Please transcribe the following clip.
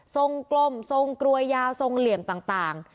กลมทรงกลวยยาวทรงเหลี่ยมต่าง